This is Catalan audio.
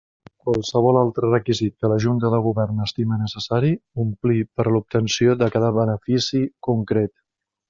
Qualsevol altre requisit que la Junta de Govern estime necessari omplir per a l'obtenció de cada benefici concret.